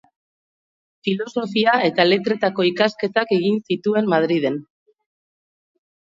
Filosofia eta Letretako ikasketak egin zituen Madrilen.